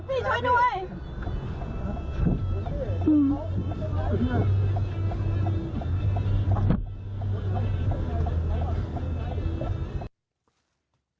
พี่ช่วยด้วย